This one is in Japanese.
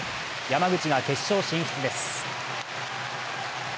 山口が決勝進出です。